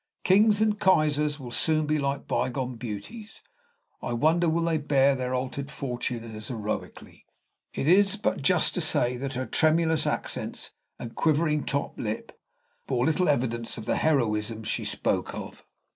Kings and Kaisers will soon be like bygone beauties. I wonder will they bear their altered fortune as heroically?" It is but just to say that her tremulous accents and quivering lip bore little evidence of the heroism she spoke of.